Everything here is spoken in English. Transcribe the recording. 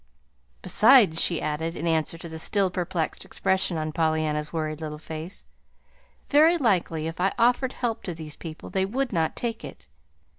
"Besides," she added, in answer to the still perplexed expression on Pollyanna's worried little face, "very likely if I offered help to these people they would not take it.